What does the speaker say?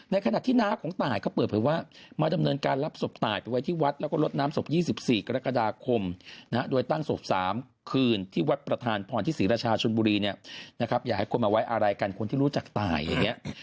ขณะที่น้าของตายก็เปิดเผยว่ามาดำเนินการรับศพตายไปไว้ที่วัดแล้วก็ลดน้ำศพ๒๔กรกฎาคมโดยตั้งศพ๓คืนที่วัดประธานพรที่ศรีราชาชนบุรีเนี่ยนะครับอย่าให้คนมาไว้อะไรกันคนที่รู้จักตายอย่างนี้